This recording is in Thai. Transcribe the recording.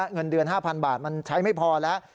เงินเดือน๕๐๐บาทมันใช้ไม่พอแล้ว